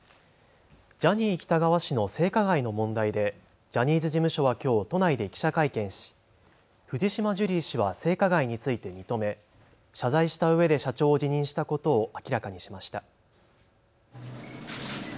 ジャニー喜多川氏の性加害の問題でジャニーズ事務所はきょう都内で記者会見し藤島ジュリー氏は性加害について認め、謝罪したうえで社長を辞任したことを明らかにしました。